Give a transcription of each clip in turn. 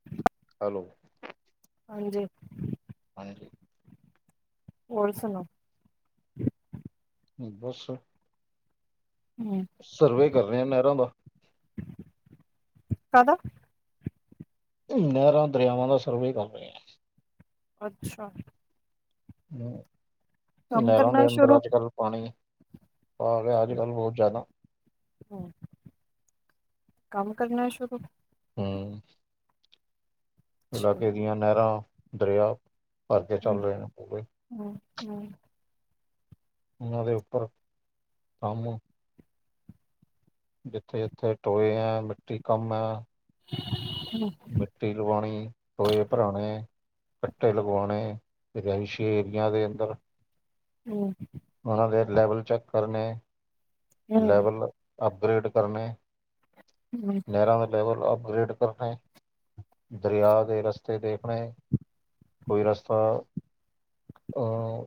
[inaudible] Hello. ਹਾਂਜੀ। ਹਾਂਜੀ [unintelligible] ਹੋਰ ਸਣਾਉ? ਬੱਸ। ਹੂੰ। ਸਰਵੇ ਕਰ ਰਹੇ ਆ ਨਹਿਰਾਂ ਦਾ। ਕਦ ਨਹਿਰਾਂ, ਦਰਿਆਵਾਂ ਦਾ ਸਰਵੇ ਕਰ ਰਹੇ ਆਂ। ਅੱਛਾ। ਹੂੰ, ਕੰਮ ਨਹਿਰਾਂ ਦੇ ਕਰਨਾ ਅੰਦਰ ਸ਼ੁਰੂ। ਅੱਜ-ਕੱਲ੍ਹ ਪਾਣੀ ਆ ਗਿਆ, ਅੱਜ-ਕੱਲ੍ਹ ਬਹੁਤ ਜ਼ਿਆਦਾ ' [inaudible] ' ਕੰਮ ਕਰਨਾ ਸ਼ੁਰੂ। ਹਮ। ਅੱਛਾ। ਇਲਾਕੇ ਦੀਆਂ ਨਹਿਰਾਂ, ਦਰਿਆ ਭਰ ਕੇ ਚੱਲ ਰਹੇ ਨੇ ਪੂਰੇ ਹੂੰ-ਹੂੰ। ਉਹਨਾਂ ਦੇ ਉੱਪਰ ਕੰਮ ਜਿੱਥੇ-ਜਿੱਥੇ ਟੋਏ ਆਂ ਮਿੱਟੀ ਕੰਮ ਐਂ। ਹਮ। ਮਿੱਟੀ ਲਵਾਉਣੀ, ਟੋਏ ਭਰਾਣੇ ਗੱਟੇ ਲਗਵਾਣੇ, ਰਿਹਾਇਸ਼ੀ ਏਰੀਆਂ ਦੇ ਅੰਦਰ ਹੂੰ। ਉਹਨਾਂ ਦੇ ਲੈਵਲ ਚੈੱਕ ਕਰਨੇ, ਹੂੰ ਲੈਵਲ ਅਪਗ੍ਰੇਡ ਕਰਨੇ। ਹਮ। ਨਹਿਰਾਂ ਦੇ ਲੈਵਲ ਅਪਗ੍ਰੇਡ ਕਰਨੇ, ਦਰਿਆ ਦੇ ਰਸਤੇ ਦੇਖਣੇ। ਕੋਈ ਰਾਸਤਾ ਆਂ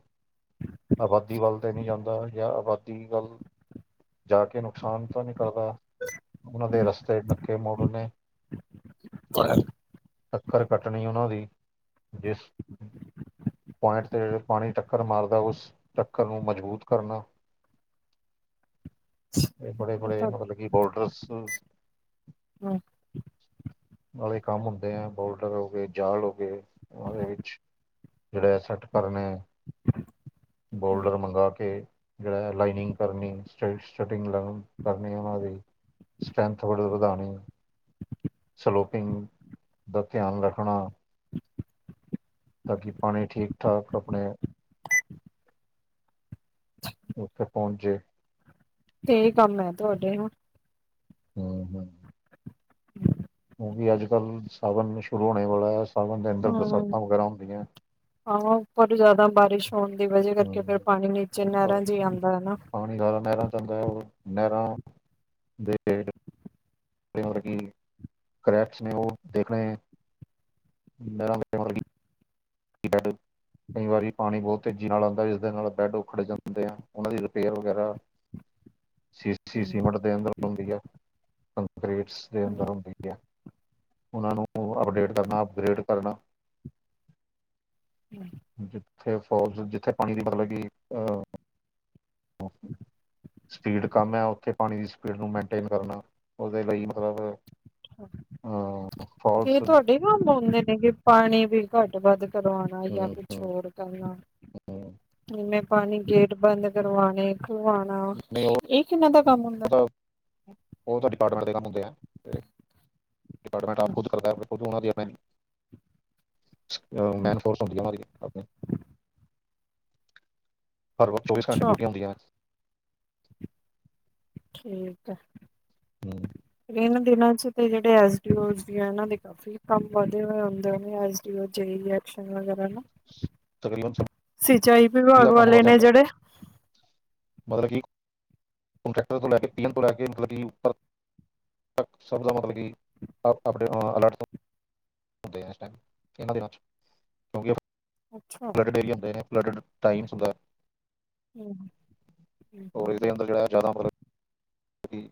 ਆਬਾਦੀ ਵੱਲ ਤੇ ਨਹੀਂ ਜਾਂਦਾ, ਜਾਂ ਆਬਾਦੀ, ਵੱਲ ਜਾ ਕੇ ਨੁਕਸਾਨ ਤਾਂ ਨੀ ਕਰਦਾ। ਉਹਨਾਂ ਦੇ ਹੂੰ ਰਸਤੇ ਨੱਕੇ ਮੋੜ ਨੇ' ' [inaudible] ਟੱਕਰ ਕੱਟਣੀ ਉਹਨਾਂ ਦੀ ਜਿਸ ਪੁਆਇੰਟ ਤੇ ਪਾਣੀ ਟੱਕਰ ਮਾਰਦਾ ਉਸ ਟੱਕਰ ਨੂੰ ਮਜ਼ਬੂਤ ਕਰਨਾ, ' [inaudible] ' ਇਹ ਬੜੇ-ਬੜੇ ਮਤਲਬ ਕੀ ਬੋਰਡਰਸ ਹੂੰ। ਵਾਲੇ ਕੰਮ ਹੁੰਦੇ ਆ, ਬੋਲਡਰ ਹੋ ਗਏ, ਜਾਲ ਹੋ ਗਏ, ਉਹ ਦੇ ਵਿੱਚ ਜਿਹੜੇ ਸੈੱਟ ਕਰਨ ਨੇ, ' [inaudible] ' ਬੋਲਡਰ ਮੰਗਾ ਕੇ ਜਿਹੜਾ ਲਾਈਨਿੰਗ ਕਰਨੀ, ਸ ਸਟਟਿੰਗ ਲਾਇਨ ਕਰਨੀ, ਉਹਨਾਂ ਦੀ ਸਟਰੈਂਥ ਬੜੇ ਵਧਾਉਣੀ ਸਲੋਪਿੰਗ ਦਾ ਧਿਆਨ ਰੱਖਣਾ। ਤਾਂ ਕੀ ਪਾਣੀ ਠੀਕ-ਠਾਕ ਆਪਣੇ ਉੱਥੇ ਪਹੁੰਚੇ। ਤੇ ਇਹ ਕੰਮ ਨੇ ਤੁਹਾਡੇ ਹਨਾ। ਹੂੰ -ਹੂੰ। ਕਿਉਂਕਿ ਅੱਜ-ਕੱਲ੍ਹ ਸਾਧਨ ਸ਼ੁਰੂ ਹੋਣੇ ਵਾਲਾ ਐ। ਹਾਂ, ' [inaudible] ' ਆਹ ਉਪਰ ਜ਼ਿਆਦਾ ਬਾਰਿਸ਼ ਹੋਣ ਦੀ ਵਜ੍ਹਾ ਹੂੰ ਕਰਕੇ ਫਿਰ ਹੂੰ ਪਾਣੀ ਨੀ 'ਚ' ਉੱਪਰ ਨਹਿਰਾਂ 'ਚ' ਜਾਂਦਾ ਨਾ। ਪਾਣੀ ਜ਼ਿਆਦਾ ਨਹਿਰਾਂ ਆਉਂਦਾ, ਉਹ ਨਹਿਰਾਂ, ਦੇ ਹੇਠ ਫੇਮਰ ਕੀ, ਕਰੈਕਸ ਨੇ ਉਹ ਦੇਖਣੇ ਨਹਿਰਾਂ ਬੱਚਿਆਂ ਵਰਗੀ ਕਿਤਾਡ। ਕਈ ਵਾਰੀ ਪਾਣੀ ਬਹੁਤ ਤੇਜ਼ੀ ਨਾਲ ਆਦਾ। ਜਿਸਦੇ ਨਾਲ ਬੈੱਡ ਉਖੜ ਜਾਂਦੇ ਆ। ਉਹਨਾਂ ਦੀ ਰਿਪੇਅਰ ਵਗੈਰਾ। ਸੀ, ਹੂੰ, ਸੀਮਿੰਟ ਦੇ ਅੰਦਰ ਹੁੰਦੀ ਆ ਕੰਕਰੀਟਸ ਦੇ ਹੂੰ, ਅੰਦਰ ਹੁੰਦੀ ਆ। ਉਹਨਾਂ ਨੂੰ ਅਪਡੇਟ ਕਰਨਾ, ਅਪਗ੍ਰੇਡ ਕਰਨਾ। ਹਮ। ਜਿੱਥੇ ਫੋਲ, ਜਿੱਥੇ ਪਾਣੀ ਦੀ ਪਤਾਗੀ। ਅਹ ਸਪੀਡ ਕੰਮ ਏ। ਉੱਥੇ ਪਾਣੀ ਦੀ ਸਪੀਡ ਨੂੰ ਮੇਨਟੇਨ ਕਰਨਾ। ਉਹਦੇ ਲਈ ਮਤਲਬ ਫੋਲਸ ਤੇ ਤੁਹਾਡੇ ਕਿਉਂ ਪਾਉਂਦੇ ਨੇ ਕਿ, ਪਾਣੀ ਵੀ ਘੱਟ-ਵੱਧ ਕਰਵਾਉਣਾ ਜਾਂ ਕੁਛ ਹੋਰ ਕਰਨਾ। ਹਮ। ਮੈਂ ਪਾਣੀ ਗੇਟ ਬੰਦ ਕਰਵਾਣੇ, ਖਲਵਾਉਣਾ। ਨਹੀਂ ਇਹ ਕਿਨਾਂ ਦਾ ਕੰਮ ਹੁੰਦਾ? ਉਹ ਤਾਂ ਡਿਪਾਰਟਮੈਂਟ ਦੇ ਕੰਮ ਹੁੰਦੇ ਆ। ਡਿਪਾਰਟਮੈਂਟ ਆਪ ਖੁਦ ਕਰਦਾ ਖੁਦ ਉਹਣਾ ਦੀ ਮ ਮੈਨ ਫੋਰਸ ਹੁੰਦੀ ਏ। ਉਹ ਦੀ ਆਪਣੀ। ਹਰ ਵ ਚੌਵੀਸ ਘੰਟੇ ਅੱਛਾ ਡਿਊਟੀ ਹੁੰਦੀ ਆ। ਠੀਕ ਏ। ਹਮ, ਇਹਨਾਂ ਦਿਨਾਂ 'ਚ' ਤੇ ਜਿਹੜੇ ਐਸ ਡੀ ਓ ਦੀ ਇਹਨਾ ਦੇ ਕੰਮ। ਕੰਮ ਵਧੇ ਹੋਏ ਹੁੰਦੇ ਆ। ਐਸ ਡੀ ਓ ਰਿਕੈਸਨ ਵਗੈਰਾ। ਤਕਰੀਬਨ ਸਭੀ ਸਿੰਚਾਈ ਵਿਭਾਗ ਦਾ ਕੰਮ ਹੋ ਵਾਲੇ ਨੇ ਜਾਂਦਾ ਹੈ। ਜਿਹੜੇ। ਮਤਲਬ ਕਿ ਕੰਟਰੈਕਟਰ ਤੋਂ ਲੈ ਕੇ ਪੀ ਐਮ ਤੋਂ ਲੈ ਕੇ ਮਤਲਬ ਕਿ ਤ ਸਭ ਦਾ ਮਤਲਬ ਕਿ, ਆਪਣੇ ਅਲਰਟ ਤੋਂ। ਹੁੰਦੇ ਆ ਹਰ ਟਾਈਮ। ਇਹਨਾਂ ਦੇ ਹੱਥ 'ਚ' ਕਿਉਂਕਿ ਅੱਛਾ। ' [unintelligible] ਹਮ। ਔਰ ਇਹਦੇ ਅੰਦਰ ਜਿਹੜਾ ਜ਼ਿਆਦਾ ਫਿਰ ਕੀ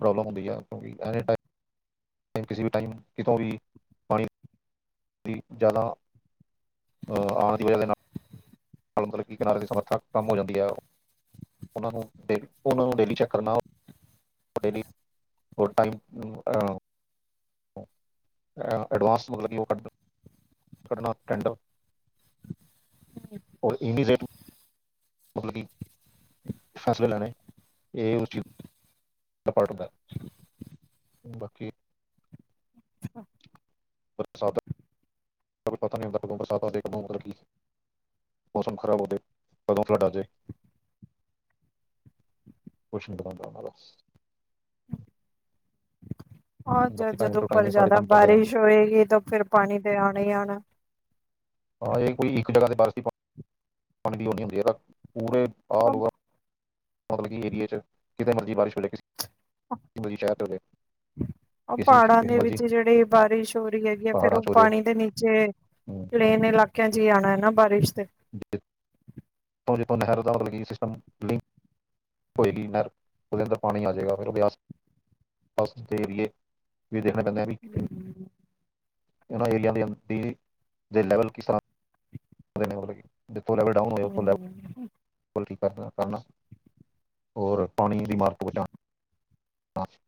ਪ੍ਰੋਬਲਮ ਹੁੰਦੀ ਆ, ਕਿਉਂਕਿ ਐਨੀ ਟਾਇਮ, ਕਿਸੇ ਵੀ ਟਾਈਮ, ਕਿਤੋਂ ਵੀ। ਪਾਣੀ ਜ਼ਿਆਦਾ ਅਹ ਆਣ ਦੀ ਵਜਾ ਨਾਲ। ਮਤਲਬ ਕਿ ਕਿਨਾਰੇ ਦੀ ਸਮਰੱਥਾ ਕੰਮ ਹੋ ਜਾਂਦੀ ਆ। ਉਹਨਾਂ ਨੂੰ ਡੇ ਉਹਨਾਂ ਨੂੰ ਡੇਲੀ ਚੈੱਕ ਕਰਨਾ। ਡੇਲੀ ਹਰ ਟਾਈਮ। ਅਡਵਾਸ ਮਤਲਬ ਕਿ ਕਰ ਕਰਨਾ ਟੈਂਡਰ ਔਰ ਇਮੀਡੇਟ ਮਤਲਬ ਕੀ, ਫੈਸਲੇ ਲੈਣੇ। ਇਹ ਉਸ ਚੀਜ਼ ਨੂੰ ਡਪਾਰਟ ਹੁੰਦਾ, ਬਾਕੀ ' [unintelligible] ' [unintelligible] ਕ ਵੀ ਪਤਾ ਨਹੀਂ ਹੁੰਦਾ। ਕਦੋਂ ਬਰਸਾਤ ਆ ਜਾਵੇ? ਕਦੋਂ ਮਤਲਬ ਕੀ। ਮੌਸਮ ਖਰਾਬ ਹੋ ਜਾਵੇ, ਕਦੋਂ ਫਲੱਡ ਆ ਜੇ? ' [unintelligible] ਆ ਬਾਕੀ ਟਾਈਮ ਜਦ ਟੂ ਟਾਈਮ ਉਪਰ ਇਹ ਸਾਰੇ ਜ਼ਿਆਦਾ ਕੰਮ ਚੱਲਦੇ ਰਹਿੰਦੇ ਆ ਬਾਰਿਸ਼ ਹੋਏਗੀ ਤਾਂ ਫਿਰ ਪਾਣੀ ਤੇ ਆਣਾ ਹੀ ਆਣਾ। ਹਾਂ, ਇਹ ਕੋਈ ਇੱਕ ਜਗ੍ਹਾ ਤੇ ਬਾਰਸ਼ ਪਾਣੀ ਉਹ ਨ ਹੁੰਦੀ ਪੂਰੇ ਆ। ਮਤਲਬ ਕਿ ਏਰੀਏ 'ਚ' ਕਿਸੇ ਮਰਜ਼ੀ ਬਾਰਿਸ਼ ਹੋ ਜਾਵੇ। ਮਰਜ਼ੀ ਸ਼ਹਿਰ 'ਚ' ਹੋ ਜਾਵੇ। ਉਹ ਪਹਾੜਾਂ ਦੇ ਵਿੱਚ ਜਿਹੜੀ ਬਾਰਿਸ਼ ਹੋ ਰਹੀ ਹੈਗੀ ਆ। ਫਿਰ ਪਹਾੜਾਂ ਉਹ 'ਚ ਹੋ ਜਾਏ ਪਾਣੀ ਦੇ ਨੀਚੇ ਹਮ, ਜਿਹੜੇਨ ਇਲਾਕਿਆਂ 'ਚ' ਹੀ ਆਣਾ ਨਾ ਬਾਰਿਸ਼ ਤੇ। ਜ ਜਿੱਥੋਂ ਨਹਿਰ ਦਾ ਮਤਲਬ ਕਿ ਸਿਸਟਮ, ਲਿੰਕ ਹੋਏਗੀ ਨਹਿਰ। ਉਹਦੇ ਅੰਦਰ ਪਾਣੀ ਆ ਜਾਏਗਾ। ਫਿਰਸ ਦੇ ਏਰੀਏ ਵੀ, ਦੇਖਣੇ ਪੈਂਦੇ ਆ ਵੀ। ਤੇ ਇਹਨਾਂ ਏਰੀਆ ਦੇ ਅ ਦੇ ਲੈਵਲ ਕਿਸ ਤਰ੍ਹਾਂ? ' [unintelligible] 'ਜਿੱਥੋਂ ਲੈਵਲ ਡਾਊਨ ਹੋ ਜਾਏ। ਕਰ ਕਰਨਾ ਹੋਰ, ਪਾਣੀ ਦੀ ਮਾਰਤ ਬਚਾਣਾ। ' [unintelligible]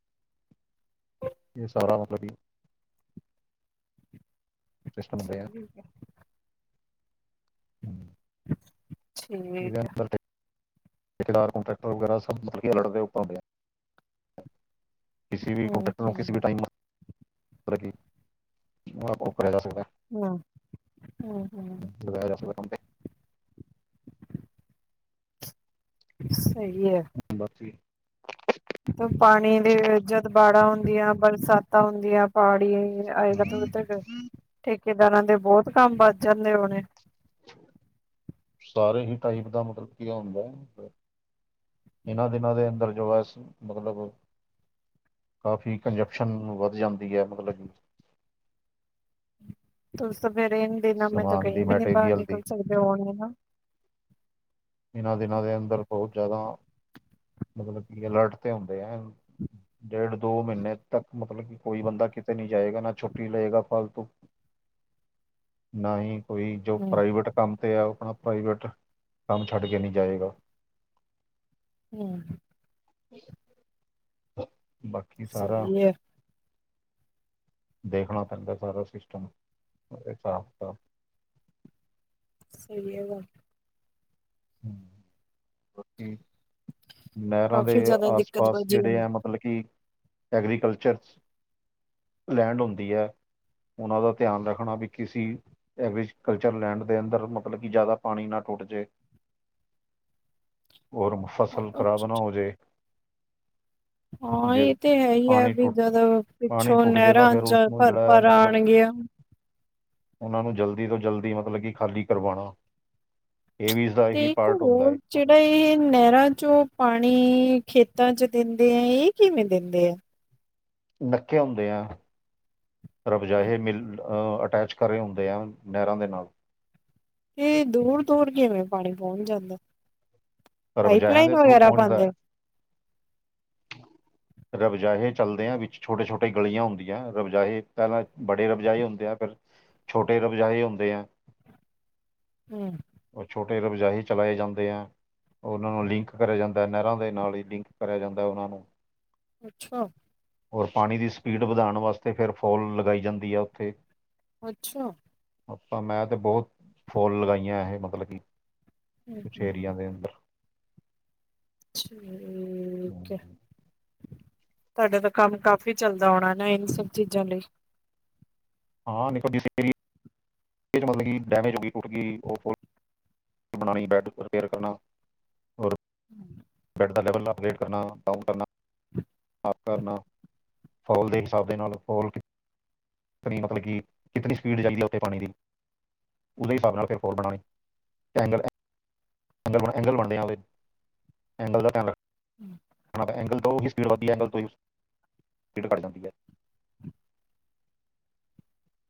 ਇਹ ਸਾਰਾ ਮਤਲਬ ਕਿ ਕ੍ਰਿਸ਼ਨ ਮਡਰੀਆ ' [inaudible] ' [unintelligible] ' ਵਗੈਰਾ ਸਭ ਮਤਲਬ' ' [unintelligible] ਕਿਸੇ ਵੀ ਕੰਪੈਕਟਰ ਨੂੰ, ਕਿਸੇ ਵੀ ਟਾਈਮ, ਮਤਲਬ ਕਿ ਉਹ ਕਰਿਆ ਜਾ ਸਕਦਾ। ਹਮ, ਹਮ-ਹਮ। ' [unintelligible] ਸਹੀ ੲੇ। ਹ ਬੱਸ ਜੀ। ਤੇ ਪਾਣੀ ਦੇ ਜਦ ਬਾੜਾ ਹੁੰਦੀਆਂ ਬਰਸਾਤਾਂ ਹੁੰਦੀਆਂ ਪਹਾੜੀ। ਆਏਗਾ ਹਮ, ਤੱਕ, ਠੇਕੇਦਾਰਾਂ ਦੇ ਬਹੁਤ ਕੰਮ ਵੱਧ ਜਾਦੇ ਉਹਣੇ ਸਾਰੇ ਹੀ ਟਾਈਪ ਦਾ ਮਤਲਬ ਕੀ ਹੁੰਦਾ? ਇਹਨਾਂ ਦਿਨਾਂ ਦੇ ਅੰਦਰ ਜੋ ਬੱਸ ਹੈ ਮਤਲਬ ਕਾਫ਼ੀ, ਕੰਜਪਸ਼ਨ, ਵੱਧ ਜਾਂਦੀ ਹੈ। ਮਤਲਬ ਕਿ ' [unintelligible] ' ਮੈਂ ਤਾਂ ਸਮਾਨ ਕਹੀ ਦੀ ਵੀ ਨੀ ਬਾਹਰ ਮਟੀਰੀਅਲ ਦੀ ਨਿਕਲ ਸਕਦੇ ਹੋਣੇ ਨਾ। ਇਹਨਾਂ ਦਿਨਾਂ ਦੇ ਅੰਦਰ ਬਹੁਤ ਜ਼ਿਆਦਾ, ਮਤਲਬ ਕਿ ਅਲਰਟ ਤੇ ਹੁੰਦੇ ਏ। ਡੇਢ ਦੋ ਮਹੀਨੇ ਤੱਕ ਮਤਲਬ ਕਿ ਕੋਈ ਬੰਦਾ ਕਿਤੇ ਨੀ ਜਾਏਗਾ ਨਾ ਛੁੱਟੀ ਲਏਗਾ ਫਾਲਤੂ। ' [inaudible] ਨਾ ਹੀ ਕੋਈ ਜੋ ਪ੍ਰਾਈਵੇਟ ਕੰਮ ਤੇ ਹੈ। ਆਪਣਾ ਪ੍ਰਾਈਵੇਟ ਕੰਮ ਛੱਡ ਕੇ ਨੀ ਜਾਏਗਾ ਹਮ। ਬਾਕੀ ਸਾਰਾ ਸਹੀ ਹੈ ਦੇਖਣਾ ਪੈਂਦਾ ਸਾਰਾ ਸਿਸਟਮ ਸਾਫ਼-ਸਾਫ਼ ਸਹੀ ਹੈ ਵ ਹਮ, ਬਾਕੀ ਨਹਿਰਾਂ ਦੇ ਕਾਫ਼ੀ ਜ਼ਿਆਦਾ ਦਿੱਕਤ ਆਸ-ਪਾਸ ਵਜੀ ਜਿਹੜੇ ਹੁੰਦੀ ਹੈ ਮਤਲਬ ਮਤਲਬ ਕਿ ਐਗਰੀਕਲਚਰ ਲੈਂਡ ਹੁੰਦੀ ਐ। ਉਹਨਾਂ ਦਾ ਧਿਆਨ ਰੱਖਣਾ ਵੀ ਕਿਸੀ ਐਗਰੀਕਲਚਰ ਲੈਂਡ ਦੇ ਅੰਦਰ ਮਤਲਬ ਕਿ ਜ਼ਿਆਦਾ ਪਾਣੀ ਨਾ ਟੁੱਟ ਜੇ ਔਰ ਫਸਲ ਖ਼ਰਾਬ ਨਾ ਹੋ ਜੇ ਹਾਂ ਜੇ ਇਹ ਤੇ ਹੈ ਹੀ ਹੈ ਪਾਣੀ ਵੀ ਟੁੱਟ ਜਦੋਂ ਪਾਣੀ ਪਿੱਛੋਂ ਟੁੱਟ ਜੇ ਤਾਂ ਨਹਿਰਾਂ ਫਿਰ ਜਲ ਉਸਨੂੰ ਜਿਹੜਾ ਹੈ ਭਰ-ਭਰ ਮਤਲਬ ਆਉਣਗੀਆਂ ਉਹਨਾਂ ਨੂੰ ਜਲਦੀ ਤੋਂ ਜਲਦੀ ਮਤਲਬ ਕਿ ਖਾਲੀ ਕਰਵਾਉਣਾ। ਇਹ ਵੀਜ਼ਦਾ ਤੇ ਇੱਕ ਪਾਰਟ ਹੁੰਦਾ ਹੋਰ ਜਿਹੜਾ ਮਤਲਬ ਇਹ ਨਹਿਰਾਂ ਚੋਂ ਪਾਣੀ ਖੇਤਾਂ 'ਚ' ਦਿੰਦੇ ਏ, ਇਹ ਕਿਵੇਂ ਦਿੰਦੇ ਐ ਨੱਕੇ ਹੁੰਦੇ ਆ, ਰਬਜਾਹੇ ਮਿਲ ਅਟੈਚ ਖਰੇ ਹੁੰਦੇ ਆ। ਨਹਿਰਾਂ ਦੇ ਨਾਲ ਤੇ ਦੂਰ-ਦੂਰ ਕਿਵੇਂ ਪਾਣੀ ਪਹੁੰਚ ਜਾਂਦਾ, ਪਾਈਪ ਰਬਜਾਇਆਂ ਦੇ ਲਾਈਨ ਥਰੂ ਵਗੈਰਾ ਪਹੁੰਚਦਾ ਹੈ। ਪਾਂਦੇ। ' [inaudible] ਰਬਜਾਹੇ ਚੱਲਦੇ ਆ, ਵਿੱਚ ਛੋਟੇ-ਛੋਟੇ ਗਲੀਆਂ ਹੁੰਦੀਆਂ, ਰਬਜਾਏ ਪਹਿਲਾਂ ਬੜੇ ਰਬਜਾਏ ਹੁੰਦੇ ਆ ਫਿਰ ਛੋਟੇ ਰਬਜਾਏ ਹੁੰਦੇ ਆ। ਹਮ। ਉਹ ਛੋਟੇ ਰਬਜ਼ਾਹੀ ਚਲਾਏ ਜਾਂਦੇ ਆ। ਉਹਨਾਂ ਨੂੰ ਲਿੰਕ ਕਰਿਆ ਜਾਂਦਾ। ਨਹਿਰਾਂ ਦੇ ਨਾਲ ਹੀ ਲਿੰਕ ਕਰਿਆ ਜਾਂਦਾ ਹੈ ਉਹਨਾਂ ਨੂੰ। ਅੱਛਾ। ਔਰ ਪਾਣੀ ਦੀ ਸਪੀਡ ਵਧਾਉਣ ਵਾਸਤੇ ਫਿਰ ਫੋਲ ਲਗਾਈ ਜਾਂਦੀ ਆ ਉੱਥੇ ਅੱਛਾ। ਆਪਾਂ ਮੈਂ ਤੇ ਬਹੁਤ ਫੋ਼ਲ ਲਗਾਈਆਂ ਇਹ ਮਤਲਬ ਕਿ ਹਮ ਕੁਛ ਹਮ ਏਰੀਆ ਦੇ ਅੰਦਰ। ਠੀਕ ਏ। ਹਮ। ਤੁਹਾਡਾ ਤਾਂ ਕੰਮ ਕਾਫੀ਼ ਚੱਲਦਾ ਹੋਣਾ ਨਾ? ਇਹਨਾਂ ਸਭ ਚੀਜ਼ਾਂ ਲਈ? ਹਾਂ [unintelligible] ਮਤਲਬ ਡੈਮੇਜ ਹੋ ਗਈ, ਟੱਟ ਗਈ ਉਹ ਖੋ [inaudible] ਬੈੱਡ ਰਿਪੇਅਰ ਕਰਨਾ। ਔਰ ਹੂੰ ਬੈੱਡ ਦਾ ਲੈਵਲ ਅਪਡੇਟ ਕਰਨਾ, ਡਾਊਨ ਕਰਨਾ। ਸਾਫ਼ ਕਰਨਾ ਫਾਉਲ ਦੇ ਹਿਸਾਬ ਦੇ ਨਾਲ ਖੋਲ ਕੇ। ਕਿਤਨੀ ਮਤਲਬ ਕਿ, [inaudible] ਕਿਤਨੀ ਸਪੀਡ ਚੱਲ ਰਹੀ ਆ, ਉੱਥੇ ਪਾਣੀ ਦੀ। ਉਦੇਂ [inaudible] ਹਿਸਾਬ ਨਾਲ ਫਿਰ ਫੋਲ [unintelligible] ਐਂਗਲ [inaudible] ਬਣਦੇ ਹਾਲੇਂ [inaudible] ਐਂਗਲ ਦਾ। ਹੂੰ ਹਣਾ ਤਾਂ ਐਂਗਲ ਤੋਂ ਹੀ ਸਪੀਡ ਵੱਧਦੀ ਹੈ, ਐਂਗਲ ਤੋਂ ਹੀ [inaudible] ਸਪੀਡ ਘੱਟ ਜਾਂਦੀ ਹੈ।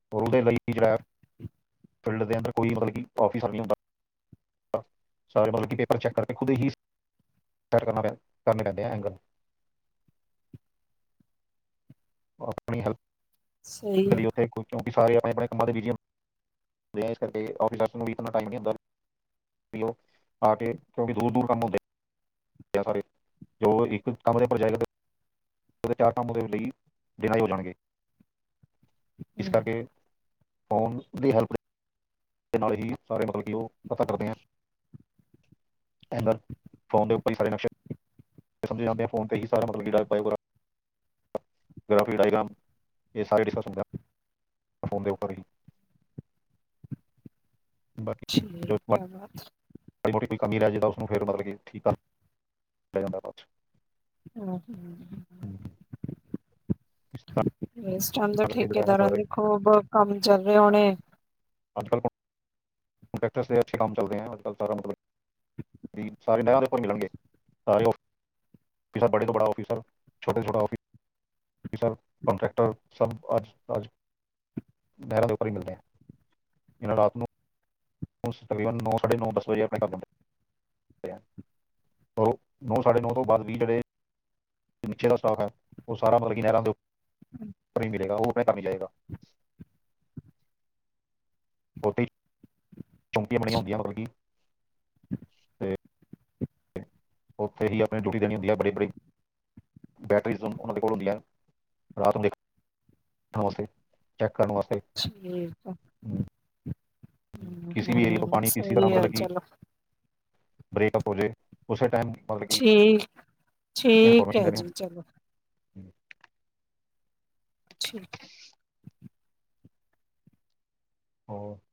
[unintelligible] ਫਿਲਡ ਦੇ ਅੰਦਰ ਕੋਈ ਮਤਲਬ, ਔਫਿਸ਼ਰ ਨਹੀ ਹੁੰਦਾ। [inaudible] ਸਾਰੇ ਮਤਲਬ ਕਿ, ਪੇਪਰ ਚੈੱਕ ਕਰਕੇ ਖੁਦ ਹੀ। [inaudible] [unintelligible] ਕਰਨੇ ਪੈਂਦੇ ਆ ਐਂਗਲ। [unintelligible] [inaudible] ਉਹ ਆਪਣੀ ਹੈਲਪ। ਸਹੀ ਹੈ ਉੱਥੇ ਕਿਉਂਕਿ ਸਾਰੇ ਆਪਣੇ ਆਪਣੇ ਕੰਮਾਂ ਬਿਜੀ ਦੇ ਵਿੱਚ। [inaudible] ਇਸ ਕਰਕੇ ਔਫਿਸ਼ਰਸ ਨੂੰ ਵੀ, ਇਤਨਾ ਟਾਈਮ ਨੀ [inaudible] ਹੁੰਦਾ ਉਹ ਆ ਕੇ [inaudible] ਕਿਉਂਕਿ ਦੂਰ -ਦੂਰ ਕੰਮ ਹੁੰਦੇ ਆ। [unintelligible] ਉਹਦੇ ਚਾਰ ਕੰਮ ਉਦੇਂ ਲਈ, ਬਿਨਾਂ ਹੀ ਹੋ ਜਾਣਗੇ [inaudible] ਇਸ ਹਮ ਕਰਕੇ। ਫੋਨ ਦੀ ਹੈਲਪ [unintelligible] ਦੇ ਨਾਲ ਹੀ ਸਾਰੇ ਮਤਲਬ ਕਿ, ਉਹ ਪਤਾ ਕਰਦੇ ਆ। ਅ [unintelligible] ਫੋਨ ਦੇ ਉੱਪਰ ਹੀ ਸਾਰੇ ਨਕਸ਼ੇ। ਸਮਝੇ ਜਾਂਦੇ ਫੋਨ ਤੇ ਹੀ ਸਾਰੇ। [unintelligible] ਗ੍ਰਾਫੀ ਡਾਇਗ੍ਰਾਮ, ਇਹ ਸਾਰੇ [unintelligible] ਸਮਝ। ਫੋ਼ਨ ਦੇ ਉਪਰ ਹੀ ‌ [inaudible] ਕਿਆ ਬਾਤ। ਮਾਰੀ -ਮੋਟੀ ਕੋਈ ਕਮੀ ਰਹਿ ਜਾਏ ਤਾਂ, ਉਸਨੂੰ ਫਿਰ ਮਤਲਬ ਕਿ ਠੀਕ ਕਰ ਲਿਆ ਜਾਂਦਾ ਬਾਅਦ 'ਚ। [inaudible] [unintelligible] [unintelligible] ਇਸ ਟਾਈਮ ਤਾਂ ਤਰ੍ਹਾਂ ਕਰਕੇ ਜਿਹੜਾ ਹੈ ਠੇਕੇਦਾਰਾਂ ਸਾਰੇ ਦੇ ਖੂਬ ਕੰਮ ਚੱਲ ਰਹੇ ਹੋਣੇ। ਅੱਜ -ਕੱਲ੍ਹ ਕੋਡੈਟਰ ਦੇ ਅੱਛੇ ਕੰਮ ਚੱਲਦੇ ਆ, [unintelligible] ਸਾਰੇ ਨਹਿਰ ਉੱਪਰ ਮਿਲਣਗੇ, ਸਾਰੇ ਉਹ। [unintelligible] ਬੜੇ ਤੋਂ ਬੜਾ, ਔਫਿਸਰ ਛੋਟੇ -ਛੋਟਾ ਆਫਿਸਰ। [unintelligible] ਸਰ ਕੋਂਟ੍ਰੈਕਟਰ ਸਭ ਆਜੋ -ਆਜੋ। [inaudible] ਨਹਿਰਾਂ ਦੇ ਉੱਪਰ ਹੀ ਮਿਲਦੇ ਐ, ਇਹਨਾਂ ਰਾਤ ਨੂੰ। [unintelligible] ਤਕਰੀਬਨ ਨੌਂ ਸਾਢੇ ਨੌ ਦਸ ਵਜੇ ਆਪਣੇ ਘਰ ਜਾਂਦੇ [inaudible] ਨੌ ਸਾਢੇ ਨੌ ਤੋਂ ਬਾਅਦ ਵੀਹ, ਜਿਹੜੇ। [inaudible] [inaudible] ਨੀਚੇ ਆਲਾ ਸਟਾਫ਼ ਐ ਉਹ ਸਾਰਾ ਮਤਲਬ ਕਿ ਨਹਿਰਾਂ ਦੇ ਉੱਪਰ [inaudible] ਹੀ ਮਿਲੇਗਾ ਉਹ ਆਪਣੇ ਨੀ ਜਾਏਗਾ। [unintelligible] ਚੌਂਕੀਆਂ ਬਣੀਆ ਹੁੰਦੀਆਂ, ਮਤਲਬ ਕੀ, [inaudible] ਉੱਥੇ ਹੀ ਆਪਣੀ ਡਿਊਟੀ ਦੇਣੀ ਹੁੰਦੀ ਹੈ ਬੜੀ -ਬੜੀ। ਬੈਟਰੀਸ਼ ਉਹਨਾਂ ਦੇ ਕੋਲ ਹੁੰਦੀਆਂ ਆ, ਰਾਤ ਨੂੰ ਦੇਖ ਚੈੱਕ ਕਰਨ ਵਾਸਤੇ-ਚੈੱਕ ਕਰਨ ਵਾਸਤੇ। ਠੀਕ ਆ। ਹਮ। ਹਮ ਕਿਸੀ ਵੀ ਏਰੀਏ ਤੋਂ ਹਮ ਪਾਣੀ ਕਿਸੀ ਤਰ੍ਹਾਂ ਸਹੀ ਆ ਬਦਲ ਗਈ ਚਲੋ ਬ੍ਰੇਕਅਪ ਹੋ ਜਾਵੇ ਉਸੇ ਟਾਇਮ। ਠੀਕ -ਠੀਕ ਹੈ ਦੇਣੀ ਜੀ ਹੁੰਦੀ ਚਲੋ। ਹੈ। ਠੀਕ। [unintelligible]